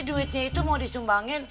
duitnya itu mau disumbangin